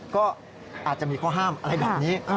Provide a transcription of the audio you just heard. ก็อาจจะมีข้อห้ามอะไรแบบนี้